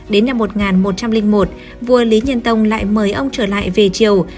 đến năm một nghìn một trăm linh một vua lý nhân tông lại mời ông trở lại về chiều